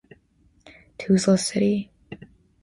Tuzla City